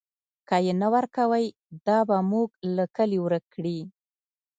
که یې نه ورکوئ، دا به موږ له کلي ورک کړي.